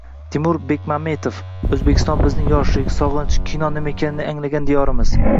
Timur Bekmambetov: O‘zbekiston bizning yoshlik, sog‘inch, kino nima ekanini anglagan diyorimiz!